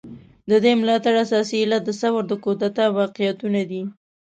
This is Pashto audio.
د دغه ملاتړ اساسي علت د ثور د کودتا واقعيتونه دي.